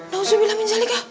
nauzul bilang ini jelik ya